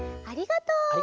ありがとう。